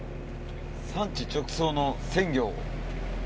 産地直送の鮮魚。